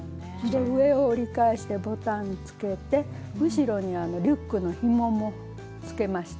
上を折り返してボタンつけて後ろにリュックのひももつけました。